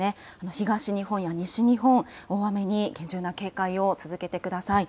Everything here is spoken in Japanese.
東日本や西日本大雨に厳重な警戒を続けてください。